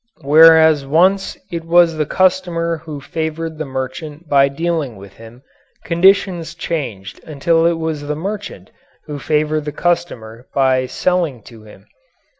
Whereas once it was the customer who favored the merchant by dealing with him, conditions changed until it was the merchant who favored the customer by selling to him.